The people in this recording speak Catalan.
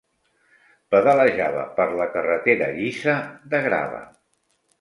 Pedalejava per la carretera llisa de grava.